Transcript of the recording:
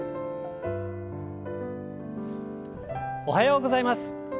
おはようございます。